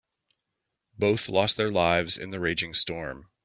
Both lost their lives in the raging storm.